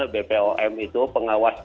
bpom itu pengawasnya